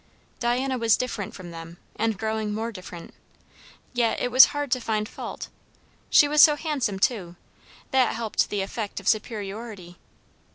Diana was different from them, and growing more different; yet it was hard to find fault. She was so handsome, too; that helped the effect of superiority.